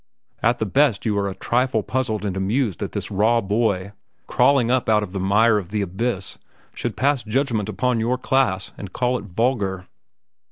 At the best you are a trifle puzzled and amused that this raw boy, crawling up out of the mire of the abyss, should pass judgment upon your class and call it vulgar."